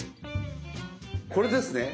これですね。